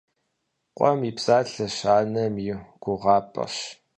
Къуэм и псалъэщ анэм и гугъапӏэр.